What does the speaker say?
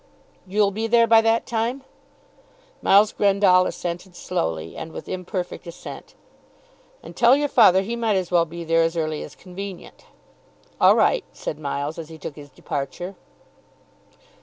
"You'll be there by that time?" Miles Grendall assented slowly, and with imperfect assent. "And tell your father he might as well be there as early as convenient." "All right," said Miles as he took his departure.